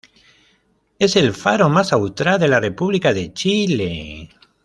Es el faro más austral de la República de Chile.